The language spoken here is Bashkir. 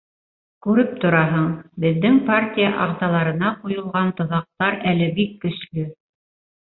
Күреп тораһың, беҙҙең партия ағзаларына ҡуйылған тоҙаҡтар әле бик көслө.